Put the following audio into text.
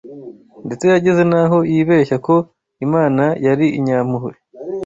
Ndetse yageze n’aho yibeshya ko Imana yari inyampuhwe